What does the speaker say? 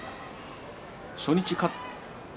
初日勝って。